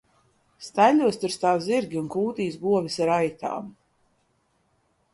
Staļļos tur stāv zirgi un kūtīs govis ar aitām.